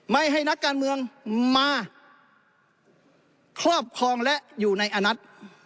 ไม่ให้นักการเมืองมาครอบครองและอยู่ในอนัท